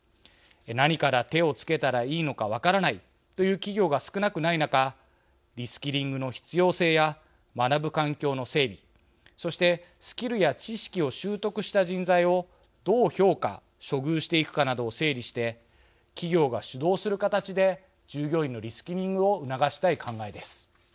何から手をつけたらいいのか分からないという企業が少なくない中リスキリングの必要性や学ぶ環境の整備、そしてスキルや知識を習得した人材をどう評価・処遇していくかなどを整理して、企業が主導する形で従業員のリスキリングを促したい考えです。